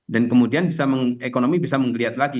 dan kemudian ekonomi bisa menggeliat lagi